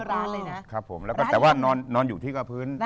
จิวร้านเลยนะแล้วก็นอนอยู่ที่พื้น